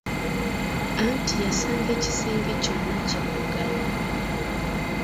Anti yasanga ekisenge kyonna kiddugala!